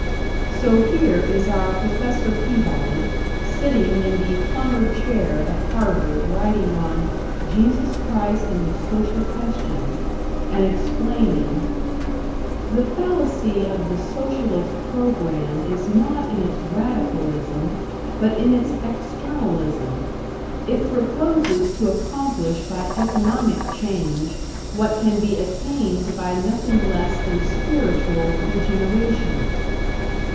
So here is our Professor Peabody, sitting in the Plummer chair at Harvard, writing on "Jesus Christ and the Social Question," and explaining: The fallacy of the Socialist program is not in its radicalism, but in its externalism. It proposes to accomplish by economic change what can be attained by nothing less than spiritual regeneration.